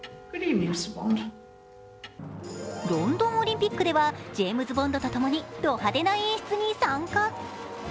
ロンドンオリンピックではジェームズ・ボンドと共にド派手な演出に参加。